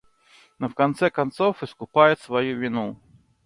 но в конце концов искупает свою вину.